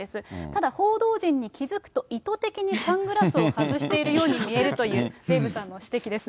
ただ報道陣に気付くと、意図的にサングラスを外しているように見えるという、デーブさんの指摘です。